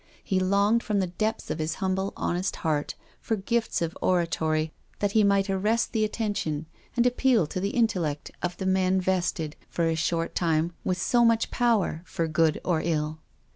He longed from the depths of his humble, honest heart, for gifts of oratory, that he might arrest the attention and appeal to the intellect of the men vested, for a short time, with so much power for good or ill.